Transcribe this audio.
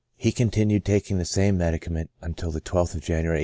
lOJ He continued taking the same medicament until the I2th of January, 1856.